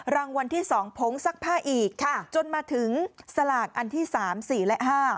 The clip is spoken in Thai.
รางวัลที่๒ผงซักผ้าอีกจนมาถึงสลากอันที่๓๔และ๕